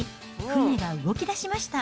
船が動きだしました。